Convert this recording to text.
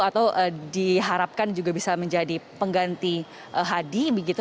atau diharapkan juga bisa menjadi pengganti hadi begitu